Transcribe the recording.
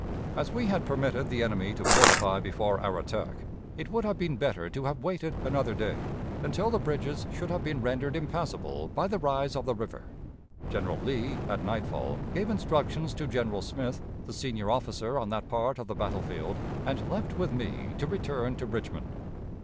As we had permitted the enemy to fortify before our attack, it would have been better to have waited another day, until the bridges should have been rendered impassable by the rise of the river. General Lee, at nightfall, gave instructions to General Smith, the senior officer on that part of the battle field, and left with me to return to Richmond.